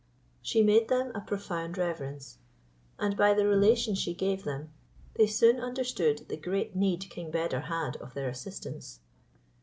She made them a profound reverence, and by the relation she gave them, they soon understood the great need King Beder had of their assistance.